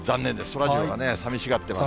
そらジローがね、さみしがってます。